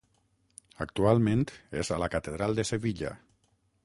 Actualment és a la catedral de Sevilla.